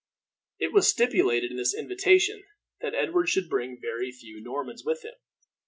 It was stipulated in this invitation that Edward should bring very few Normans with him.